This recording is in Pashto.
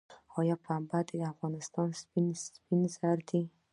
آیا پنبه د افغانستان سپین زر دي؟